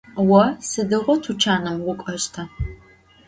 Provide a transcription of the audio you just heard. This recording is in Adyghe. Vo sıdiğo tuçanım vuk'oşta?